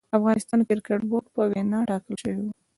د افغانستان کريکټ بورډ په وينا ټاکل شوې وه